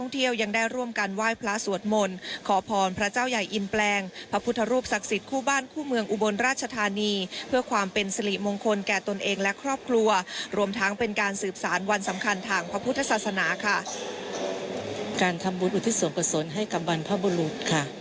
ตัวตนเองและครอบครัวรวมทั้งเป็นการสืบสารวันสำคัญทางพระพุทธศาสนาค่ะการทำบุตรอุทธศวงคษลให้กับบรรพบุรุษค่ะ